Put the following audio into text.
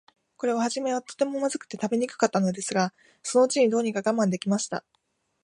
これははじめは、とても、まずくて食べにくかったのですが、そのうちに、どうにか我慢できました。